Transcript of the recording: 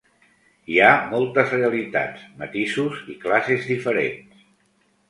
Hi ha moltes realitats, matisos i classes diferents.